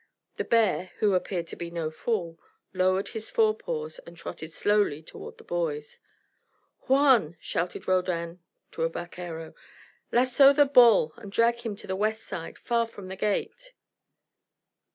The bear, who appeared to be no fool, lowered his forepaws and trotted slowly toward the boys. "Juan!" shouted Roldan to a vaquero. "Lasso the bull and drag him to the west side far from the gate."